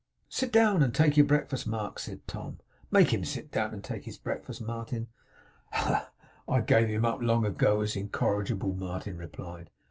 'Sit down, and take your breakfast, Mark,' said Tom. 'Make him sit down and take his breakfast, Martin.' 'Oh! I gave him up, long ago, as incorrigible,' Martin replied.